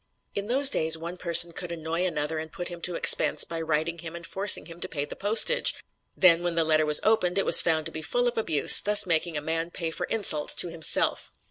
In those days one person could annoy another and put him to expense by writing him and forcing him to pay the postage then when the letter was opened, it was found to be full of abuse, thus making a man pay for insults to himself!